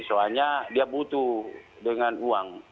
soalnya dia butuh dengan uang